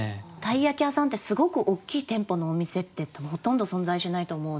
鯛焼屋さんってすごく大きい店舗のお店って多分ほとんど存在しないと思うので。